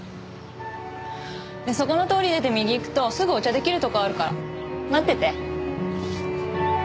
そこの通り出て右行くとすぐお茶出来るとこあるから待ってて。